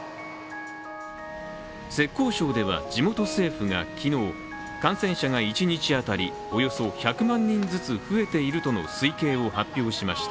浙江省では、地元政府が昨日感染者が一日当たりおよそ１００万人ずつ増えているとの推計を発表しました。